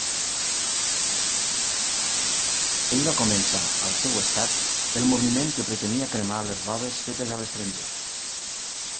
Ell va començar, al seu estat, el moviment que pretenia cremar les robes fetes a l'estranger.